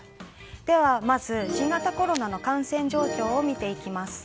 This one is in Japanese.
ではまず新型コロナの感染状況を見ていきます。